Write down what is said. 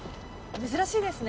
珍しいですね